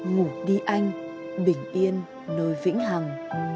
ngủ đi anh bình yên nơi vĩnh hằng